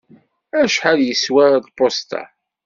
Acḥal yeswa lpuṣt-a?